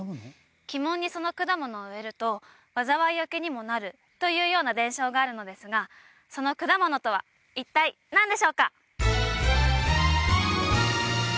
鬼門にその果物を植えると災いよけにもなるというような伝承があるのですがその果物とは一体何でしょうか？